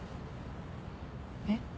えっ？